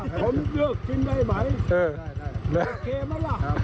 ครับเท่ากินเท่าพอเนอะ